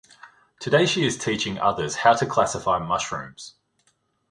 Today she is teaching others how to classify mushrooms.